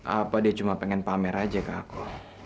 apa dia cuma pengen pamer aja ke aku